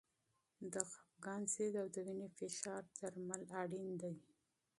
د خپګان ضد او د وینې فشار درمل مهم دي.